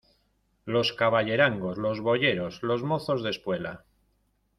los caballerangos, los boyeros , los mozos de espuela